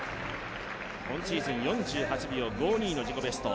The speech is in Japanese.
今シーズン４８秒５２の自己ベスト